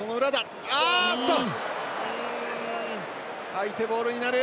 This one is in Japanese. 相手ボールになる！